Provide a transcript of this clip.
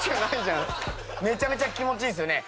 めちゃめちゃ気持ちいいですよね